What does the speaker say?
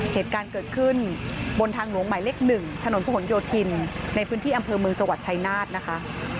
เหตุการณ์เกิดขึ้นบนทางหลวงหมายเลข๑ถนนผู้หลโยธินในพื้นที่อำเภอเมืองจังหวัดชายนาฏนะคะ